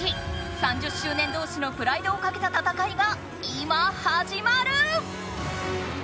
３０周年同士のプライドをかけた戦いが今はじまる！